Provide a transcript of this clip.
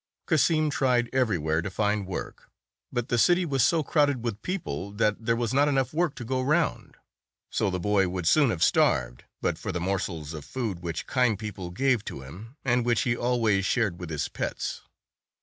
Cassim tried everywhere to find work, but the city was so crowded with people, that there was not enough work to go round. So the boy would soon have starved, but for the morsels of food which kind people gave to him, and which he always shared with his pets.